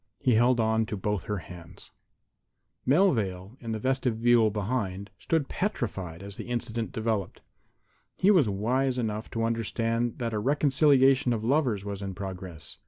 He held on to both her hands. Melvale, in the vestibule behind, had stood petrified as the incident developed. He was wise enough to understand that a reconciliation of lovers was in progress.